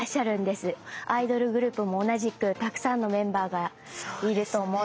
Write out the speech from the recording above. アイドルグループも同じくたくさんのメンバーがいると思うんですが。